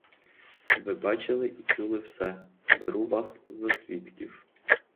Ви бачили і чули все, беру вас за свідків.